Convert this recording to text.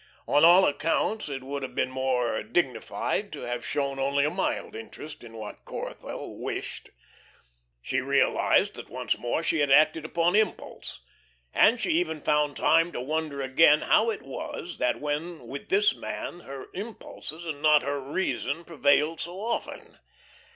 On all accounts it would have been more dignified to have shown only a mild interest in what Corthell wished. She realised that once more she had acted upon impulse, and she even found time to wonder again how it was that when with this man her impulses, and not her reason prevailed so often.